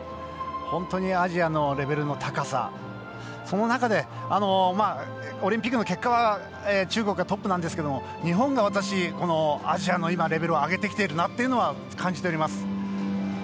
本当にアジアのレベルの高さその中で、オリンピックの結果は中国がトップなんですけども日本がアジアのレベルを上げてきているなと感じております。